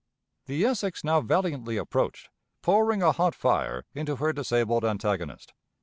The Essex now valiantly approached, pouring a hot fire into her disabled antagonist.